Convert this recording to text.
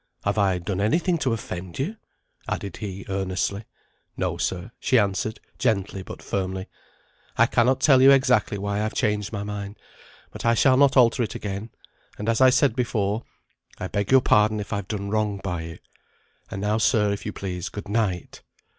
"Have I done any thing to offend you?" added he, earnestly. "No, sir," she answered gently, but yet firmly. "I cannot tell you exactly why I've changed my mind; but I shall not alter it again; and as I said before, I beg your pardon if I've done wrong by you. And now, sir, if you please, good night."